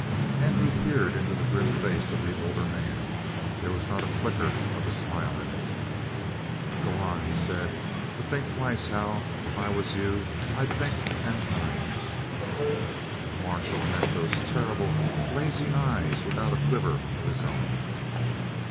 Andrew peered into the grim face of the older man; there was not a flicker of a smile in it. "Go on," he said, "but think twice, Hal. If I was you, I'd think ten times!" The marshal met those terrible, blazing eyes without a quiver of his own.